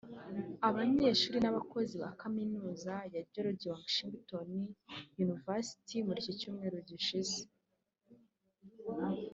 abanyeshuri n’abakozi ba kaminuza ya George Washington (University) muri Cyumweru gishize